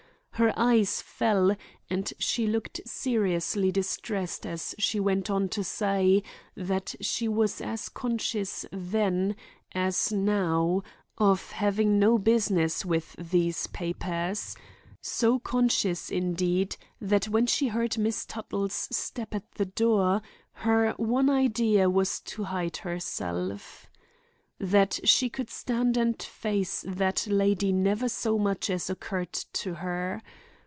Her eyes fell and she looked seriously distressed as she went on to say that she was as conscious then as now of having no business with these papers; so conscious, indeed, that when she heard Miss Tuttle's step at the door, her one idea was to hide herself. That she could stand and face that lady never so much as occurred to her.